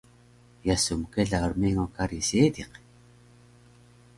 Ye su mkela mrengo kari Seediq?